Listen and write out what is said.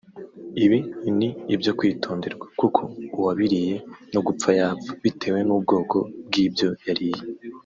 Ibi ni ibyo kwitonderwa kuko uwabiriye no gupfa yapfa bitewe n’ubwoko bw’ibyo yariye